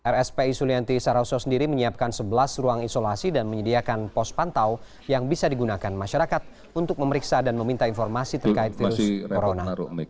rspi sulianti saroso sendiri menyiapkan sebelas ruang isolasi dan menyediakan pos pantau yang bisa digunakan masyarakat untuk memeriksa dan meminta informasi terkait virus corona